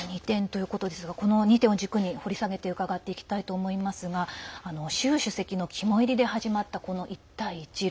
この２点を軸に掘り下げて伺っていきたいと思いますが習主席の肝煎りで始まった一帯一路。